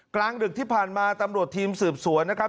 กลางดึกที่ผ่านมาตำรวจทีมสืบสวนนะครับ